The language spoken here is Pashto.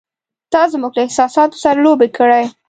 “تا زموږ له احساساتو سره لوبې کړې!